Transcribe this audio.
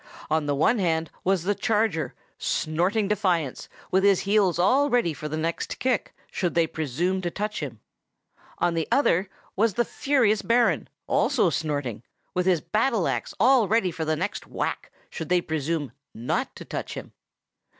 On the one hand was the charger, snorting defiance, and with his heels all ready for the next kick, should they presume to touch him; on the other was the furious Baron, also snorting, and with his battle axe all ready for the next whack, should they presume not to touch him.